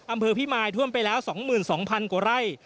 อำเภอพิมายท่วมไปแล้ว๒๒๐๐๐กว่าไร่